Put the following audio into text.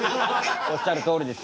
おっしゃるとおりです